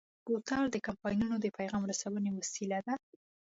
بوتل د کمپاینونو د پیغام رسونې وسیله ده.